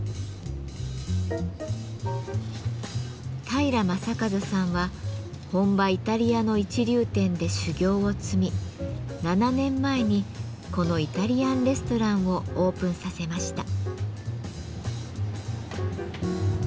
平雅一さんは本場イタリアの一流店で修業を積み７年前にこのイタリアンレストランをオープンさせました。